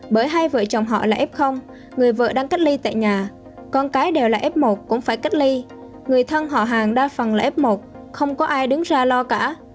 bởi hai vợ chồng họ là f người vợ đang cách ly tại nhà con cái đều là f một cũng phải cách ly người thân họ hàng đa phần là f một không có ai đứng ra lo cả